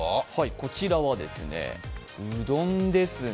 こちらは、うどんですね。